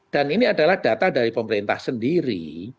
dan ini adalah data dari pemerintah sendiri